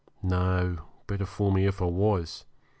No. Better for me if I was.